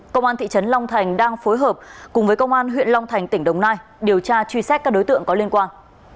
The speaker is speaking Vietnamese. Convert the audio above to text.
công an thị trấn long thành đang phối hợp cùng với công an huyện long thành tỉnh đồng nai điều tra truy xét các đối tượng có liên quan